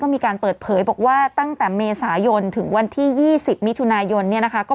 มีการเปิดเผยบอกว่าตั้งแต่เมษายนถึงวันที่๒๐มิถุนายนเนี่ยนะคะ